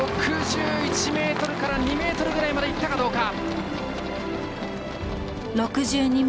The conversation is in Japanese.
６１ｍから２ｍぐらいまでいったかどうか。